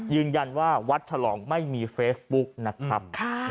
ยืนยันว่าวัดฉลองไม่มีเฟซบุ๊กนะครับ